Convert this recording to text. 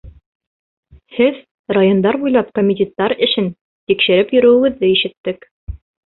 Һеҙ райондар буйлап комитеттар эшен тикшереп йөрөүегеҙҙе ишеттек.